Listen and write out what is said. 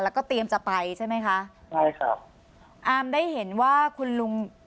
แล้วก็เตรียมจะไปใช่ไหมคะใช่ครับอามได้เห็นว่าคุณลุง